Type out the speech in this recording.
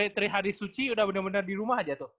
teri hari suci udah bener bener di rumah aja tuh